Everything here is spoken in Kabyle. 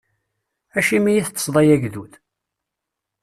Acimi i teṭṭṣeḍ ay agdud?